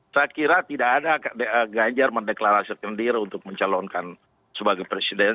saya kira tidak ada ganjar mendeklarasikan diri untuk mencalonkan sebagai presiden